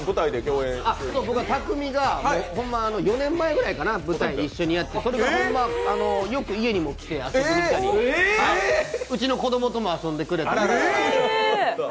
僕は匠海が４年前ぐらいに舞台一緒にやってそれからホンマよく家にも遊びに来たり、うちの子供とも遊んでくれたり。